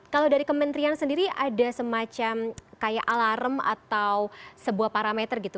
kalau dari kementerian sendiri ada semacam kayak alarm atau sebuah parameter gitu